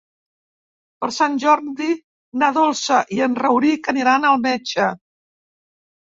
Per Sant Jordi na Dolça i en Rauric aniran al metge.